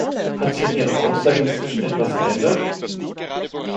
Hat sich an Ihrer Aussage inzwischen etwas geändert?